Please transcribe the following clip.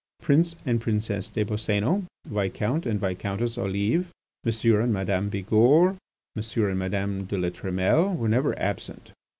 Prince and Princess des Boscénos, Viscount and Viscountess Olive, M. and Madame Bigourd, Monsieur and Madame de La Trumelle were never absent.